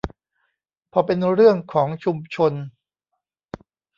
พอเป็นเรื่องของชุมชน